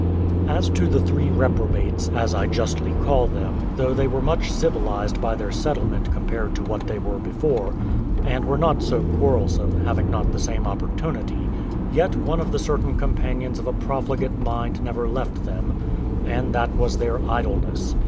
As to the three reprobates, as I justly call them, though they were much civilised by their settlement compared to what they were before, and were not so quarrelsome, having not the same opportunity; yet one of the certain companions of a profligate mind never left them, and that was their idleness.